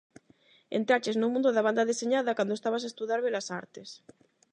Entraches no mundo da banda deseñada cando estabas a estudar Belas Artes...